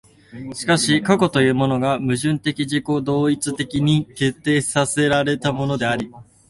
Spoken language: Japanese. しかし過去というものが矛盾的自己同一的に決定せられたものであり、